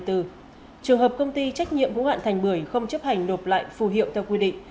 trường hợp công ty trách nhiệm vũ hạn thành một mươi không chấp hành nộp lại phù hiệu theo quy định